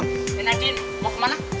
nadine mau ke mana